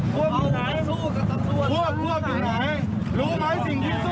ครอบครัวแล้วทำทำไม